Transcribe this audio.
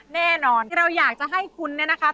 แน่นอนเราอยากจะให้คุณนะครับ